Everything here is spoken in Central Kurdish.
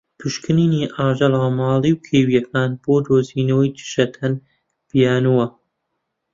پشکنینی ئاژەڵە ماڵی و کێویەکان بۆ دۆزینەوەی دژەتەن بیانوە.